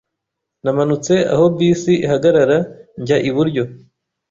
Namanutse aho bisi ihagarara njya iburyo.